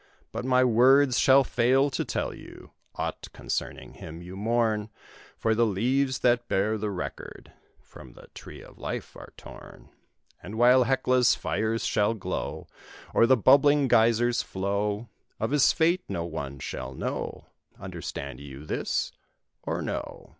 But my words shall fail to tell you Aught concerning him you mourn, For the leaves that bear the record From the Tree of Life are torn; And while Hecla's fires shall glow, Or the bubbling Geysers flow, Of his fate no one shall know Understand you this, or no?